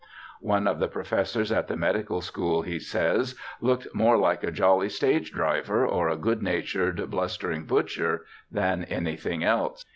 One of the professors at the medical school, he says, looked more like a jolly stage driver or a good natured, blustering butcher than anything else.